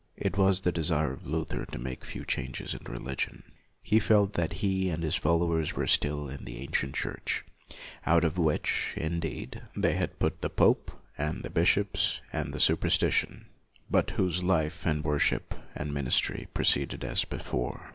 It was the desire of Luther to make few changes in religion. He felt that he and his followers were still in the ancient church, out of which, indeed, they had put the pope and the bishops and the superstition, but whose life and worship and ministry proceeded as before.